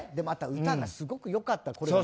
また歌がすごく良かった。